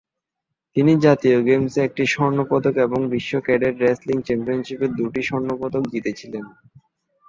তিনি জাতীয় গেমসে একটি স্বর্ণপদক এবং বিশ্ব ক্যাডেট রেসলিং চ্যাম্পিয়নশিপে দুটি স্বর্ণপদক জিতেছিলেন।